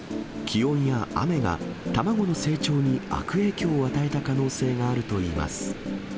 気温や雨が卵の成長に悪影響を与えた可能性があるといいます。